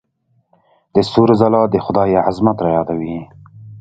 د ستورو ځلا د خدای عظمت رايادوي.